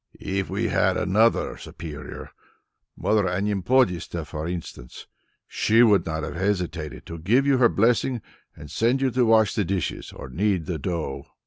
If we had another Superior, Mother Anempodista for instance, she would not have hesitated to give you her blessing and send you to wash the dishes or knead the dough.